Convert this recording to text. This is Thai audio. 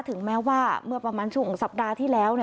ถึงแม้ว่าเมื่อประมาณช่วงสัปดาห์ที่แล้ว